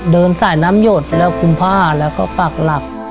เดินสายน้ำหยดแล้วคุมผ้าแล้วก็ปากหลัก